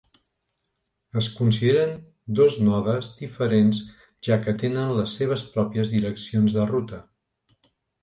Es consideren dos nodes diferents ja que tenen les seves pròpies direccions de ruta.